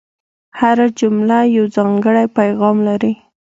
هره جمله یو ځانګړی پیغام لري.